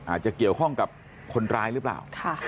อาจจะเกี่ยวข้องกับคนร้ายหรือเปล่า